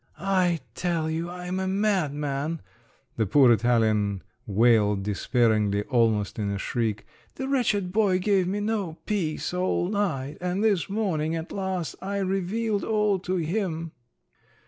"I tell you I'm a madman," the poor Italian wailed despairingly, almost in a shriek. "The wretched boy gave me no peace all night, and this morning at last I revealed all to him!"